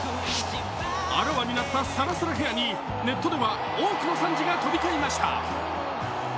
あらわになったさらさらヘアにネットでは多くの賛辞が飛び交いました。